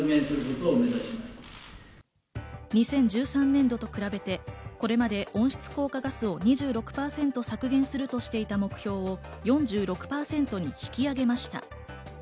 ２０１３年度と比べて、これまで温室効果ガスを２６％削減するとしていた目標を４６％に引き上げました。